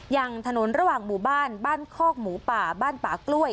อย่างถนนระหว่างหมู่บ้านบ้านคอกหมูป่าบ้านป่ากล้วย